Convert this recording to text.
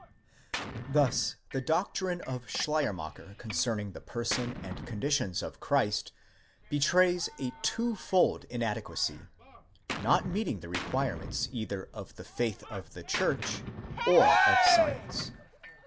Thus the doctrine of Schleiermacher concerning the person and conditions. of Christ, betrays a twofold inadequacy, not meeting the requirements either of the faith of the church, or of science.